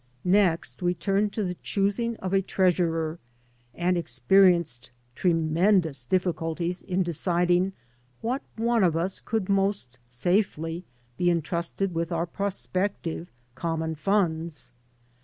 Next we turned to the choosing of a treasurer, and experienced tremendous difficulties in deciding what one of us could most safely be intrusted with our prospective common funds.